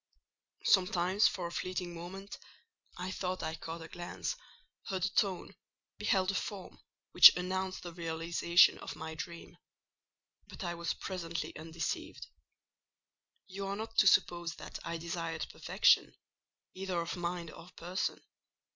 Sometimes, for a fleeting moment, I thought I caught a glance, heard a tone, beheld a form, which announced the realisation of my dream: but I was presently undeceived. You are not to suppose that I desired perfection, either of mind or person.